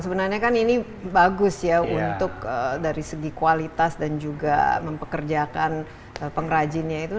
sebenarnya kan ini bagus ya untuk dari segi kualitas dan juga mempekerjakan pengrajinnya itu